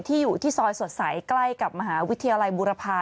อยู่ที่ซอยสดใสใกล้กับมหาวิทยาลัยบุรพา